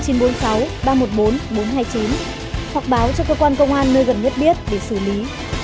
hoặc báo cho cơ quan công an nơi gần nhất biết để xử lý